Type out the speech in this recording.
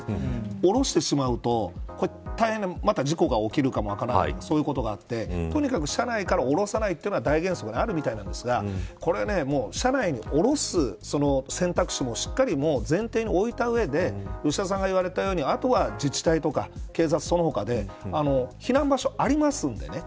降ろしてしまうと大変な事故が起きるかも分からないとかそういうことがあってとにかく車内から降ろさないというのが大原則であるみたいなんですがこれ車内から降ろす選択肢もしっかり前提に置いた上で吉田さんが言われたように後は自治体とか警察、その他で避難場所、ありますのでね